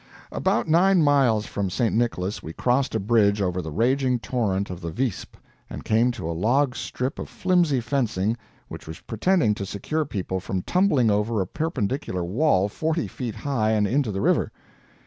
About nine miles from St. Nicholas we crossed a bridge over the raging torrent of the Visp, and came to a log strip of flimsy fencing which was pretending to secure people from tumbling over a perpendicular wall forty feet high and into the river.